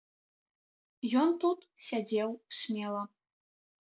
Ён тут сядзеў смела.